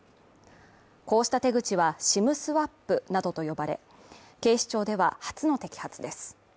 こうした手口はＳＩＭスワップなどと呼ばれ、警視庁では初の摘発です。